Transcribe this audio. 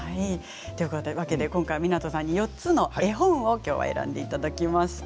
今回、湊さんに４つの絵本を選んでいただきました。